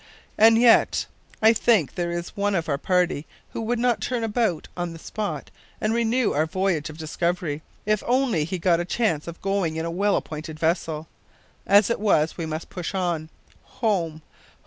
And yet I don't think there is one of our party who would not turn about on the spot and renew our voyage of discovery, if he only got a chance of going in a well appointed vessel. As it is, we must push on. Home!